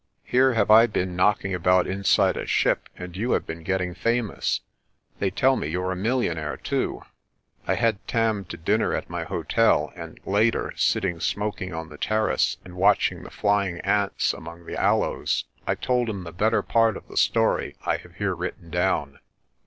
Here have I been knocking about inside a ship and you have been getting famous. They tell me you're a millionaire, too." I had Tarn to dinner at my hotel and, later, sitting smok ing on the terrace and watching the flying ants among the aloes, I told him the better part of the story I have here written down.